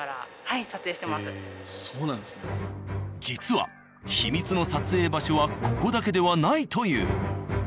実は秘密の撮影場所はここだけではないという。